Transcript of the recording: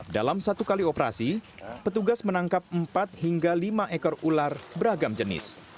dalam satu kali operasi petugas menangkap empat hingga lima ekor ular beragam jenis